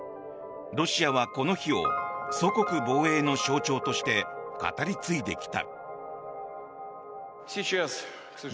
ロシアはこの日を祖国防衛の象徴として語り継いできた。